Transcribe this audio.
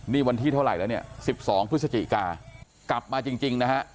นี่วันที่เท่าไหร่แล้วเนี่ย๑๒พฤศจิกากลับมาจริงนะฮะ